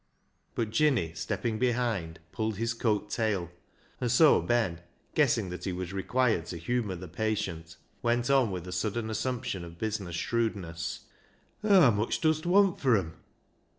" But Jinny, stepping behind, pulled his coat tail, and so Ben, guessing that he was required to humour the patient, went on with a sudden assumption of business shrewdness — THE MEMORY OF THE JUST 221 " Haa mitch dust want fur 'em